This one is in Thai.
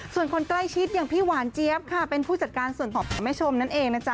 ส่วนคนใกล้ชิดอย่างพี่หวานเจี๊ยบค่ะเป็นผู้จัดการส่วนผอบของแม่ชมนั่นเองนะจ๊